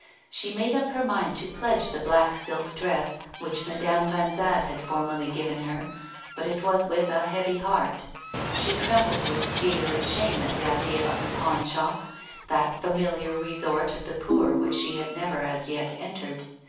She made up her mind to pledge the black silk dress which Madame Vanzade had formerly given her, but it was with a heavy heart; she trembled with fear and shame at the idea of the pawnshop, that familiar resort of the poor which she had never as yet entered.